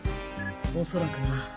おそらくな。